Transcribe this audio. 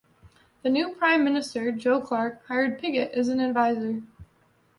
The new Prime Minister, Joe Clark, hired Pigott as an advisor.